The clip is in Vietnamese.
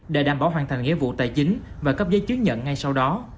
để đảm bảo hoàn thành nghĩa vụ tài chính và cấp giấy chứng nhận ngay sau đó